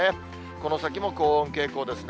この先も高温傾向ですね。